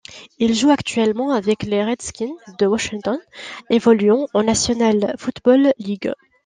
Il joue actuellement avec les Redskins de Washington, évoluant en National Football League.